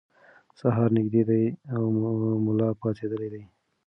سهار نږدې دی او ملا پاڅېدلی دی.